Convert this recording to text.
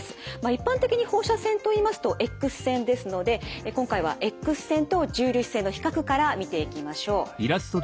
一般的に放射線といいますとＸ線ですので今回はＸ線と重粒子線の比較から見ていきましょう。